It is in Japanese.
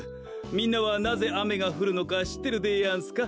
みんなはなぜあめがふるのかしってるでやんすか？